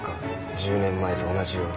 １０年前と同じように。